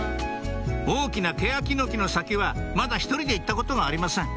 大きなけやきの木の先はまだ１人で行ったことがありません